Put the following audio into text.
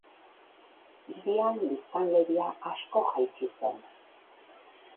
Hirian biztanleria asko jaitsi zen.